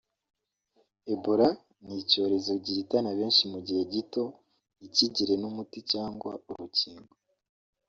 Ebola ni cyo cyorezo gihitana benshi mu gihe gito ntikigire n’umuti cyangwa urukingo